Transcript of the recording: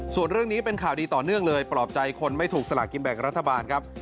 ส่วนเรื่องนี้เป็นข่าวดีต่อเนื่องเลยปลอบใจคนไม่ถูกสลากินแบ่งรัฐบาลครับ